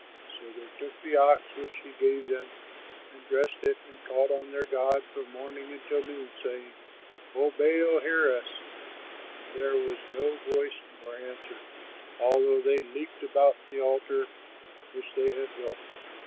So they took the ox which he gave them and dressed it, and called on their god from morning until noon, saying, "O Baal, hear us." But there was no voice nor answer, although they leaped about the altar which they had built.